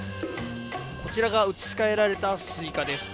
こちらが移し替えられたスイカです。